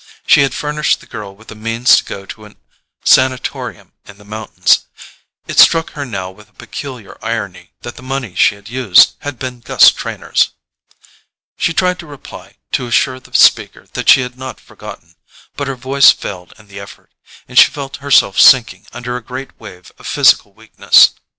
She had furnished the girl with the means to go to a sanatorium in the mountains: it struck her now with a peculiar irony that the money she had used had been Gus Trenor's. She tried to reply, to assure the speaker that she had not forgotten; but her voice failed in the effort, and she felt herself sinking under a great wave of physical weakness.